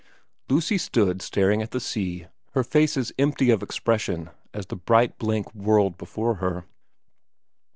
Lucy stood staring at the sea, her face as empty of expression as the bright blank world before her.